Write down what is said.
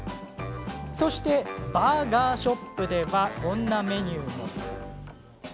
そして、バーガーショップではこんなメニューが。